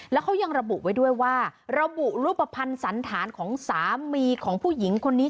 แล้วเขายังระบุไว้ด้วยว่าระบุรูปภัณฑ์สันธารของสามีของผู้หญิงคนนี้